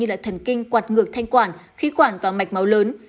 như là thần kinh quạt ngược thanh quản khí quản và mạch máu lớn